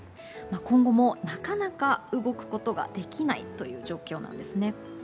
今後もなかなか動くことができないという状況なんですね。